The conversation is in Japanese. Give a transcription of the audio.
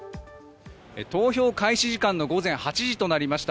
投票開始時間の午前８時となりました。